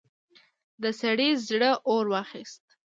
د سړي زړه اور واخيست.